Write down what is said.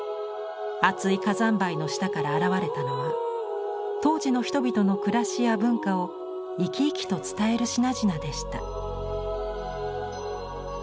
厚い火山灰の下から現れたのは当時の人々の暮らしや文化を生き生きと伝える品々でした。